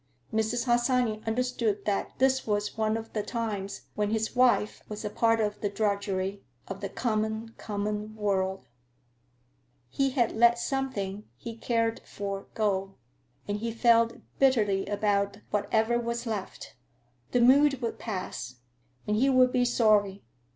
Mrs. Harsanyi understood that this was one of the times when his wife was a part of the drudgery, of the "common, common world." He had let something he cared for go, and he felt bitterly about whatever was left. The mood would pass, and he would be sorry.